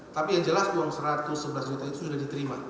tapi yang jelas uang satu ratus sebelas juta itu sudah diterima